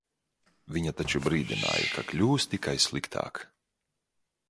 Viņa taču brīdināja, ka kļūs tikai sliktāk.